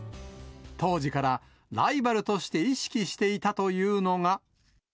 当時からライバルとして意識していたというのが。